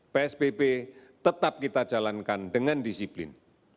psbb tetap kita jalankan dengan disiplin